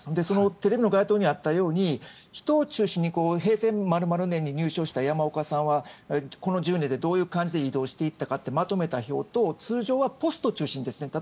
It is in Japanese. テレビの冒頭であったように人を中心に平成○○年に入省した○○さんはこの１０年でどう異動していったかまとめていったのと通常はポストが中心です。